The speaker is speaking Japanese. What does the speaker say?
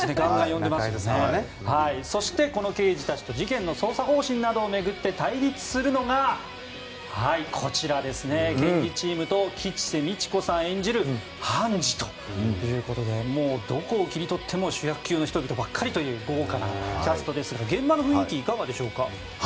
そして、この刑事たちと事件の捜査方針などを巡って対立するのがこちらの検事チームと吉瀬美智子さん演じる判事ということでもう、どこを切り取っても主役級の人々ばかりという豪華なキャストですが現場の雰囲気はいかがですか？